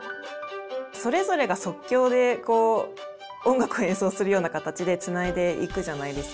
それぞれが即興で音楽を演奏するような形でつないでいくじゃないですか。